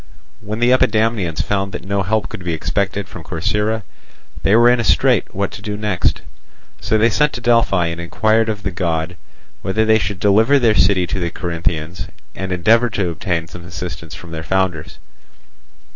When the Epidamnians found that no help could be expected from Corcyra, they were in a strait what to do next. So they sent to Delphi and inquired of the God whether they should deliver their city to the Corinthians and endeavour to obtain some assistance from their founders.